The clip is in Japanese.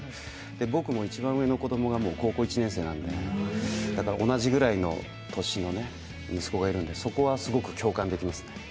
僕も一番上の息子が高校生なので、同じぐらいの年の息子がいるのでそこはすごく共感できますね。